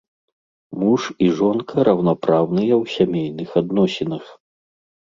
Муж і жонка раўнапраўныя ў сямейных адносінах.